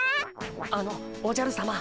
あのおじゃるさま！